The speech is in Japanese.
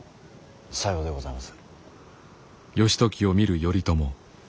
さようでございます。